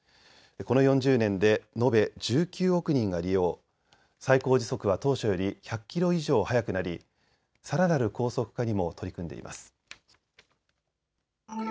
この４０年で延べ１９億人が利用、最高時速は当初より１００キロ以上速くなりさらなる高速化にも取り組んでいます。